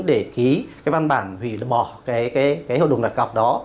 để ký văn bản hủy bỏ hợp đồng đặt cọc đó